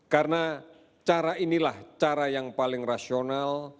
karena cara inilah cara yang paling rasional